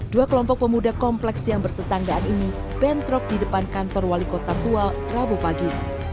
dua kelompok pemuda kompleks yang bertetanggaan ini bentrok di depan kantor wali kota tual rabu pagi